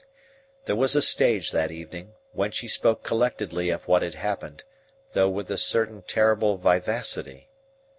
There was a stage, that evening, when she spoke collectedly of what had happened, though with a certain terrible vivacity.